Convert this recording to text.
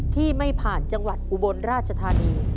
ที่ไม่ผ่านจังหวัดอุบลราชธานี